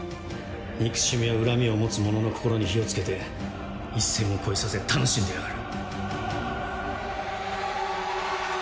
憎しみや恨みを持つ者の心に火を付けて一線を越えさせ楽しんでやがる。